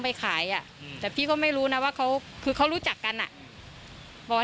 ไปขายอ่ะอืมแต่พี่ก็ไม่รู้นะว่าเขาคือเขารู้จักกันอ่ะบอย